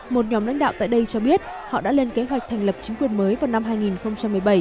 một nhóm lãnh đạo tại đây cho biết họ đã lên kế hoạch thành lập chính quyền mới vào năm hai nghìn một mươi bảy